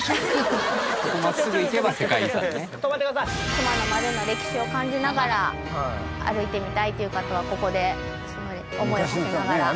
熊野までの歴史を感じながら歩いてみたいという方はここで思いをはせながら。